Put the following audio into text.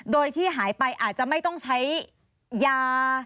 โดยที่หายไปอาจจะไม่ต้องใช้ยา